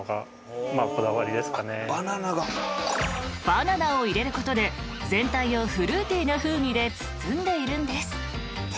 ［バナナを入れることで全体をフルーティーな風味で包んでいるんです］